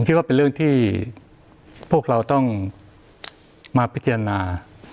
คิดว่าเป็นเรื่องที่พวกเราต้องมาพิจารณา